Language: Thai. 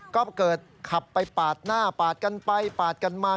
ก็เกิดขับไปปาดหน้าปาดกันไปปาดกันมา